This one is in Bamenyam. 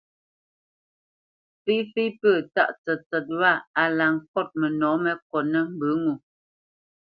Féfé pə̂ tǎʼ tsətsət wâ a la ŋkôt mənɔ̌ mé kotnə́ mbə ŋo.